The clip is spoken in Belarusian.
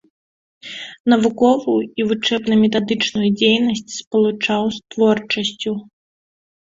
Навуковую і вучэбна-метадычную дзейнасць спалучаў з творчасцю.